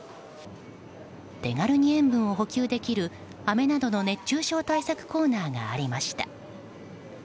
手軽に塩分を補給できるあめなどの熱中症対策コーナーがありました。